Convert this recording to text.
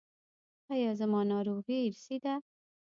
ایا زما ناروغي ارثي ده؟